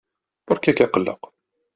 Beṛka-k aqelleq.